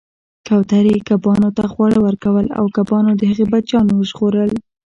کوترې کبانو ته خواړه ورکول او کبانو د هغې بچیان وژغورل